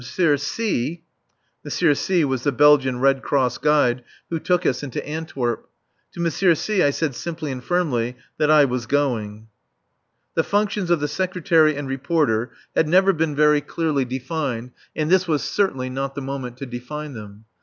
C M. C was the Belgian Red Cross guide who took us into Antwerp. To M. C I said simply and firmly that I was going. The functions of the Secretary and Reporter had never been very clearly defined, and this was certainly not the moment to define them.